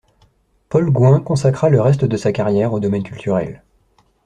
Paul Gouin consacra le reste de sa carrière au domaine culturel.